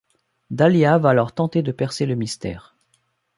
Dahlia va alors tenter de percer le mystère.